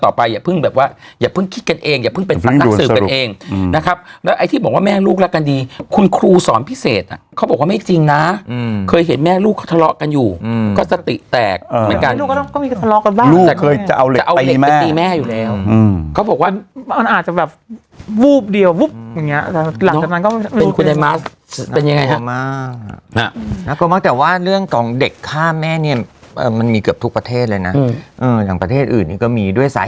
ต่อไปอย่าเพิ่งแบบว่าอย่าเพิ่งคิดกันเองอย่าเพิ่งเป็นศักดิ์นักสืบกันเองอืมนะครับแล้วไอ้ที่บอกว่าแม่ลูกรักกันดีคุณครูสอนพิเศษอ่ะเขาบอกว่าไม่จริงน่ะอืมเคยเห็นแม่ลูกเขาทะเลาะกันอยู่อืมก็สติแตกเหมือนกันก็มีทะเลาะกันบ้างลูกเคยจะเอาเหล็กไปแม่จะเอาเหล็กไปตีแม